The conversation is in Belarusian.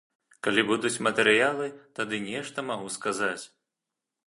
Калі будуць матэрыялы, тады нешта магу сказаць.